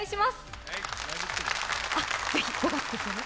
ぜひ、５月ですよね